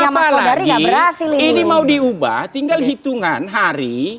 ini mau diubah tinggal hitungan hari